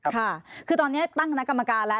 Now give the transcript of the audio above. ค่ะคือตอนนี้ตั้งคณะกรรมการแล้ว